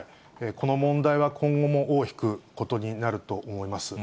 この問題は今後も尾を引くことになると思います。